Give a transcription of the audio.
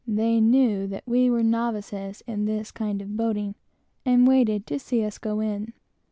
They knew that we were novices in this kind of boating, and waited to see us go in.